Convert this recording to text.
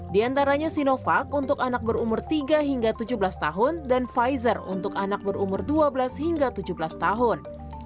di antaranya sinovac untuk anak berumur tiga hingga tujuh belas tahun dan pfizer untuk anak berumur dua belas hingga tujuh belas tahun